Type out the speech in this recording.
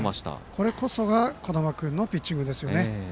これこそが小玉君のピッチングですよね。